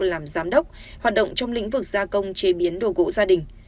làm giám đốc hoạt động trong lĩnh vực gia công chế biến đồ gỗ gia đình